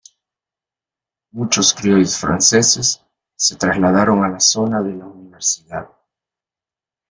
Muchos criollos franceses se trasladaron a la zona de la Universidad.